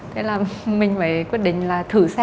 thế là mình mới quyết định là thử xem